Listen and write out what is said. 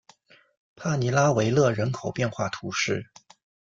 帕尼拉维勒人口变化图示